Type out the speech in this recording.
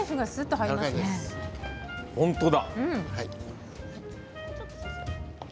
本当だ。